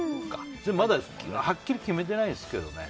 まだはっきり決めてないですけどね。